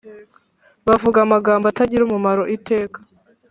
Bavuga amagambo atagira umumaro iteka